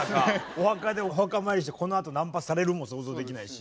お墓でお墓参りしてこのあとナンパされるも想像できないし。